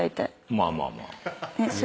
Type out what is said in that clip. まあまあまあ。